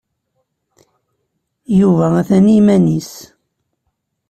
Yuba atan i yiman-nnes.